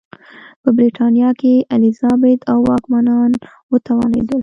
په برېټانیا کې الیزابت او واکمنان وتوانېدل.